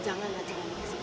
janganlah janganlah pak